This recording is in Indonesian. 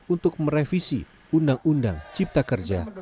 untuk merevisi undang undang cipta kerja